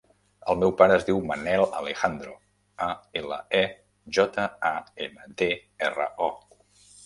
El meu pare es diu Manel Alejandro: a, ela, e, jota, a, ena, de, erra, o.